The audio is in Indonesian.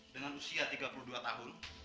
dengan usia tiga puluh dua tahun